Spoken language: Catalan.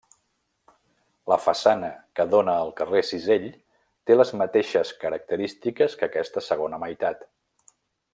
La façana que dóna al carrer Cisell té les mateixes característiques que aquesta segona meitat.